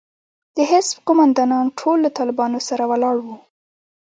د حزب قومندانان ټول له طالبانو سره ولاړ وو.